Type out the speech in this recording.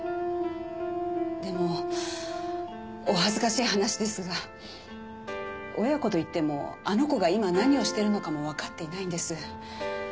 でもお恥ずかしい話ですが親子と言ってもあの子が今何をしてるのかもわかっていないんです。